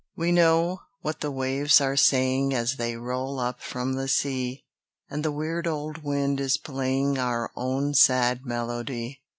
We know what the waves are saying As they roll up from the sea, And the weird old wind is playing Our own sad melody.